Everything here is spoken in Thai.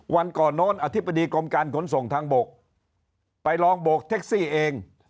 วันก่อนโน้นอธิบดีกรมการขนส่งทางบกไปลองโบกแท็กซี่เอง